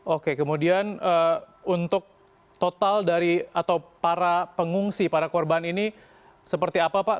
oke kemudian untuk total dari atau para pengungsi para korban ini seperti apa pak